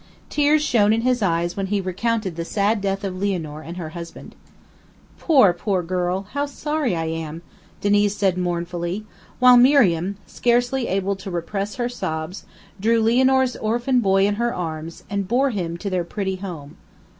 Tears shone in his eyes when he recounted the sad death of Lianor and her husband. "Poor, poor girl! How sorry I am!" Diniz said mournfully, while Miriam, scarcely able to repress her sobs, drew Lianor's orphan boy in her arms, and bore him to their pretty home.